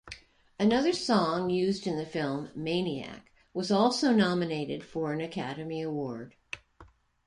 Another song used in the film, "Maniac", was also nominated for an Academy Award.